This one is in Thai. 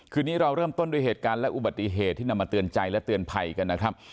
นี้เราเริ่มต้นด้วยเหตุการณ์และอุบัติเหตุที่นำมาเตือนใจและเตือนภัยกันนะครับ